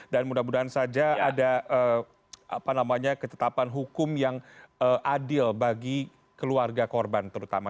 dan mudah mudahan saja ada ketetapan hukum yang adil bagi keluarga korban terutama